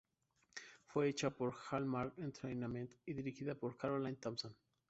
Fue hecha por Hallmark Entertainment y dirigida por Caroline Thompson.